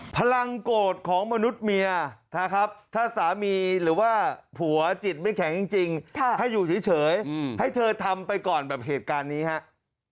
พลังโกรธของมนุษย์เมียนะครับถ้าสามีหรือว่าผัวจิตไม่แข็งจริงให้อยู่เฉยให้เธอทำไปก่อนแบบเหตุการณ์นี้ครับ